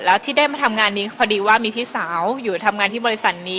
แล้วที่ได้มาทำงานนี้พอดีว่ามีพี่สาวอยู่ทำงานที่บริษัทนี้